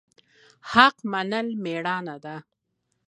حق منل میړانه ده